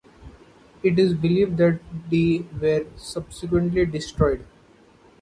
It is believed that they were subsequently destroyed.